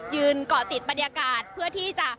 ยืนก่อติดประเดียกาเกิดเพื่อที่จะ